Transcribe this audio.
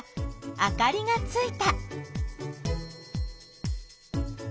あかりがついた！